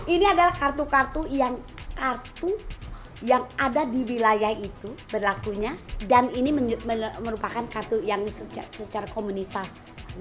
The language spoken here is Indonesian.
ini adalah kartu kartu yang kartu yang ada di wilayah itu berlakunya dan ini merupakan kartu yang secara komunitas